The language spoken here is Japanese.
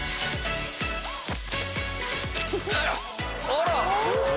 あら！